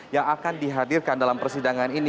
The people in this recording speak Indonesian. yang akan dihadirkan dalam persidangan ini